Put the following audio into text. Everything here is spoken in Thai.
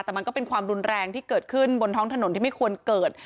แต่มันก็เป็นความรุนแรงที่เกิดขึ้นบนท้องถนนที่ไม่ควรเกิด